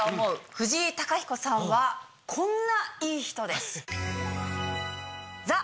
藤井貴彦さんはこんないい人です。